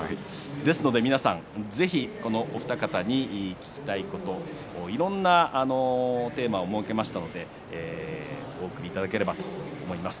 ですので、皆さんぜひ、このお２方に聞きたいこといろいろなテーマを設けましたのでお送りいただければと思います。